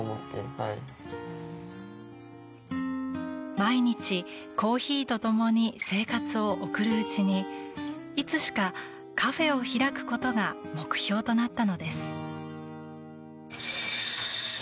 毎日、コーヒーと共に生活を送るうちにいつしかカフェを開くことが目標となったのです。